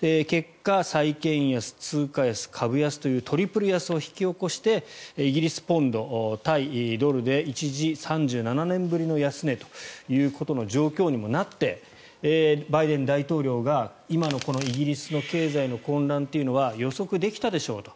結果、債券安、通貨安株安というトリプル安を引き起こしてイギリスポンド対ドルで一時、３７年ぶりの安値ということの状況にもなってバイデン大統領が今のイギリスの経済の混乱というのは予測できたでしょうと。